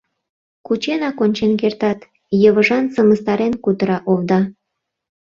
— Кученак ончен кертат, — йывыжан сымыстарен кутыра овда.